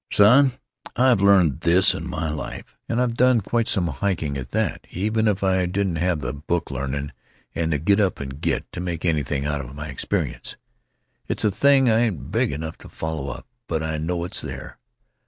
"Son, I've learned this in my life—and I've done quite some hiking at that, even if I didn't have the book l'arnin' and the git up and git to make anything out of my experience. It's a thing I ain't big enough to follow up, but I know it's there.